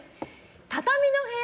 畳の部屋